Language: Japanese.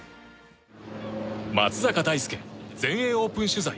松坂大輔、全英オープン取材